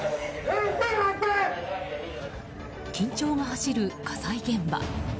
緊張が走る火災現場。